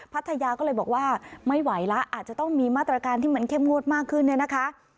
พัทยาก็เลยบอกว่าไม่ไหวแล้วอาจจะต้องมีมาตรการที่มันเข้มงวดมากขึ้นเนี่ยนะคะ